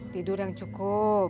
tidur yang cukup